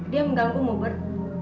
dia mengganggu moebert